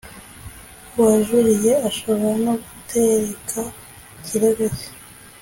Uwajuriye ashobora no kureka ikirego cye